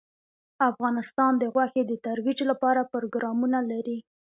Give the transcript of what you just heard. افغانستان د غوښې د ترویج لپاره پروګرامونه لري.